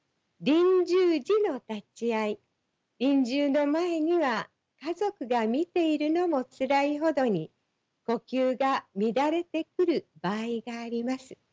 臨終の前には家族が見ているのもつらいほどに呼吸が乱れてくる場合があります。